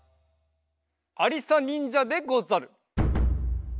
ありさにんじゃでござる。